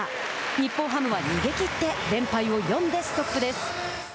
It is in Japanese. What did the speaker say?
日本ハムは逃げ切って連敗を４でストップです。